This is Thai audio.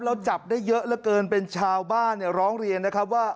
จับได้เยอะเหลือเกินเป็นชาวบ้านเนี่ยร้องเรียนนะครับว่า